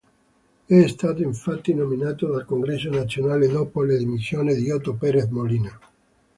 È stato infatti nominato dal Congresso nazionale dopo le dimissioni di Otto Pérez Molina.